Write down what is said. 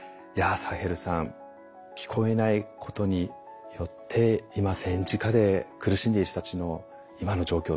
サヘルさん聞こえないことによって今戦時下で苦しんでいる人たちの今の状況